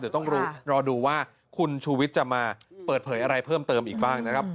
เดี๋ยวต้องรอดูว่าคุณชูวิทย์จะมาเปิดเผยอะไรเพิ่มเติมอีกบ้างนะครับ